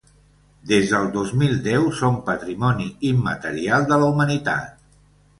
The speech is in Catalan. Des del dos mil deu són Patrimoni immaterial de la Humanitat.